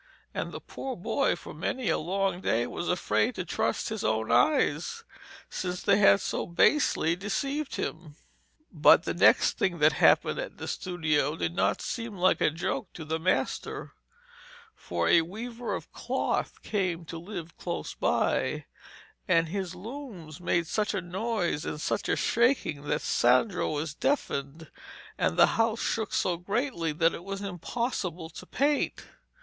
And the poor boy, for many a long day, was afraid to trust his own eyes, since they had so basely deceived him. But the next thing that happened at the studio did not seem like a joke to the master, for a weaver of cloth came to live close by, and his looms made such a noise and such a shaking that Sandro was deafened, and the house shook so greatly that it was impossible to paint.